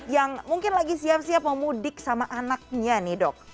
yang mungkin lagi siap siap mau mudik sama anaknya nih dok